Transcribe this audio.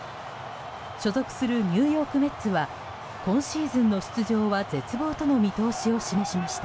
所属するニューヨーク・メッツは今シーズンの出場は絶望との見通しを示しました。